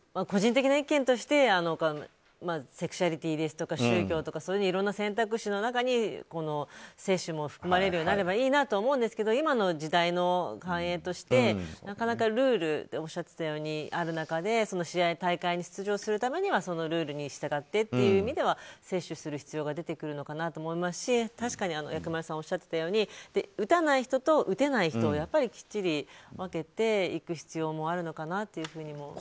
個人的な意見としてセクシャリティーですとか宗教とかそういういろんな選択肢の中に接種も含まれるようになればいいなと思うんですけど今の時代の反映としてなかなかルールとおっしゃっていたようにそれがある中で大会に出場するためそのルールにしたがってという意味では接種する必要が出てくるのかなと思いますし確かに薬丸さんがおっしゃっていたように打たない人と打てない人をやっぱりきっちり分けていく必要もあるのかなというふうにも。